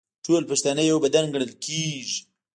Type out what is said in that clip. ټول پښتانه یو بدن ګڼل کیږي.